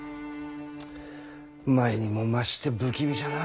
前にも増して不気味じゃな。